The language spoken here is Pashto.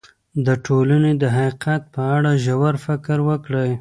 د ټولنې د حقیقت په اړه ژور فکر وکړئ.